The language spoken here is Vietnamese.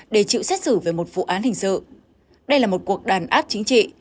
để chịu xét xử về một vụ án hình sự đây là một cuộc đàn áp chính trị